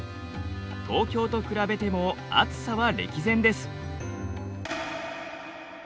東京と比べても暑さは歴然です。